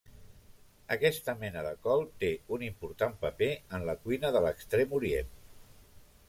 Aquesta mena de col té un important paper en la cuina de l'Extrem Orient.